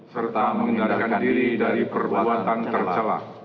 serta menghindarkan diri dari perbuatan tercelah